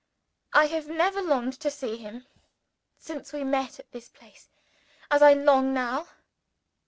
I have never longed to see him since we met at this place as I long now.